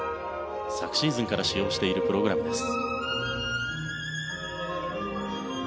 昨シーズンから使用しているプログラムです。